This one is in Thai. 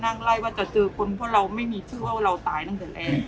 ไล่ว่าจะเจอคนเพราะเราไม่มีชื่อว่าเราตายตั้งแต่แรก